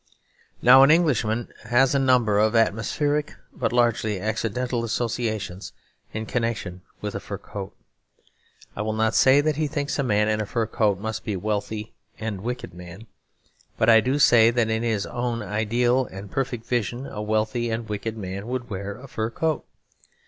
Now an Englishman has a number of atmospheric but largely accidental associations in connection with a fur coat. I will not say that he thinks a man in a fur coat must be a wealthy and wicked man; but I do say that in his own ideal and perfect vision a wealthy and wicked man would wear a fur coat.